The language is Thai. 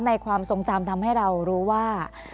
ความทรงจำทำให้เรารู้ว่า